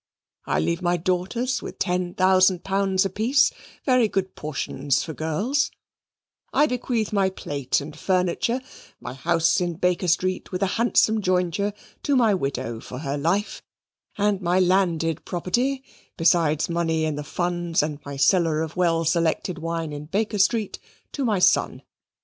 I leave my daughters with ten thousand pounds apiece very good portions for girls; I bequeath my plate and furniture, my house in Baker Street, with a handsome jointure, to my widow for her life; and my landed property, besides money in the funds, and my cellar of well selected wine in Baker Street, to my son.